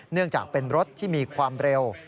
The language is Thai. เนื่องจากเป็นรถที่มีความเร็ว